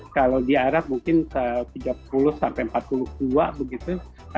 kalau di arab mungkin ke tiga puluh sampai empat puluh dua begitu tiga puluh delapan